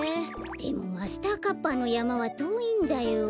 でもマスターカッパーのやまはとおいんだよ。